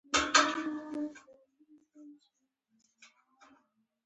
هوښیار څوک دی چې د هر حالت سره ځان برابرولی شي.